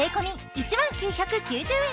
１万９９０円